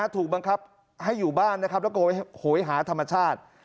ถูกบังคับให้อยู่บ้านนะครับแล้วก็โหยหาธรรมชาติ